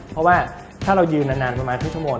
เพราะว่าถ้าเรายืนนานประมาณครึ่งชั่วโมง